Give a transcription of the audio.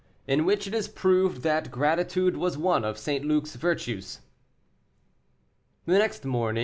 IN WHICH IT IS PROVED THAT GRATITUDE WAS ONE OF ST. LUC'S VIRTUES. The next morning, M.